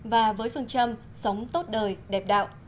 và với phương châm sống tốt đời đẹp đạo